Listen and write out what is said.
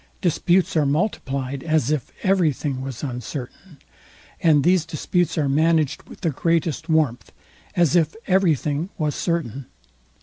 Disputes are multiplied, as if every thing was uncertain; and these disputes are managed with the greatest warmth, as if every thing was certain.